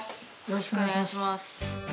よろしくお願いします。